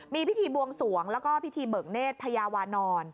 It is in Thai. มีพิธีบวงสวงแล้วก็พิธีเบิกเนธพญาวานอน